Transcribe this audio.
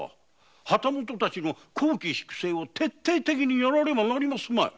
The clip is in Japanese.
旗本たちの綱紀粛正を徹底的にやらねばなりますまい。